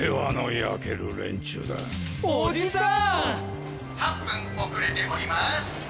８分遅れております。